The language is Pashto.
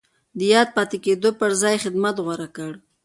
د ياد پاتې کېدو پر ځای يې خدمت غوره کړ.